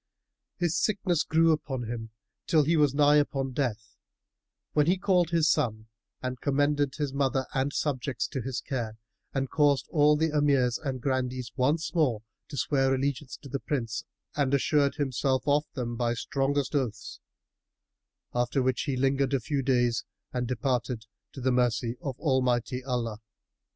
His sickness grew upon him till he was nigh upon death, when he called his son and commended his mother and subjects to his care and caused all the Emirs and Grandees once more swear allegiance to the Prince and assured himself of them by strongest oaths; after which he lingered a few days and departed to the mercy of Almighty Allah.